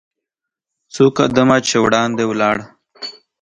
څو قدمه چې وړاندې ولاړ .